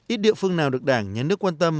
ít địa phương nào được đảng nhấn nước quan tâm